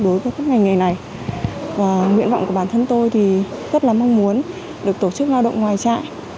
đối với các ngành nghề này và nguyện vọng của bản thân tôi thì rất là mong muốn được tổ chức lao động ngoài trại